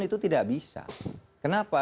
itu tidak bisa kenapa